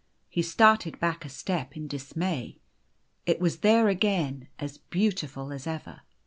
He started back a step in dismay. It was there again, as beautiful as ever.